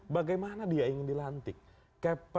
bagaimana dia ingin dilantik